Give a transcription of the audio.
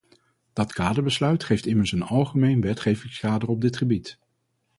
Dat kaderbesluit geeft immers een algemeen wetgevingskader op dit gebied.